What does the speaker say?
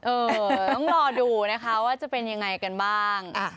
เออต้องรอดูนะคะว่าจะเป็นยังไงกันบ้าง